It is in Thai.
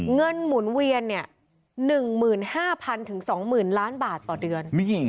เงินหมุนเวียน๑๕๐๐๐๒๐๐๐๐บาทต่อเดือน